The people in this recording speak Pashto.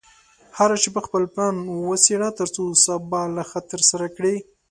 هره شپه خپل پلان وڅېړه، ترڅو سبا لا ښه ترسره کړې.